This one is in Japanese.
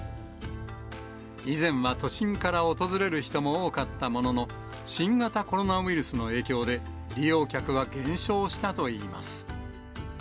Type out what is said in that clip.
以前は都心から訪れる人も多かったものの、新型コロナウイルスの影響で利用客は減少したといいます。